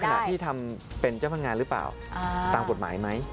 ขณะที่ทำเป็นเจ้าพนักงานหรือเปล่าตามกฎหมายไหม